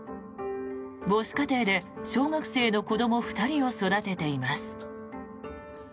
母子家庭で小学生の子ども２人を育てています。